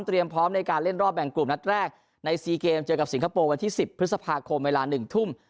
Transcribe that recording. พร้อมในการเล่นรอบแบ่งกลุ่มนัดแรกใน๔เกมเจอกับสิงคโปร์วันที่๑๐พฤษภาคมเวลา๑ทุ่ม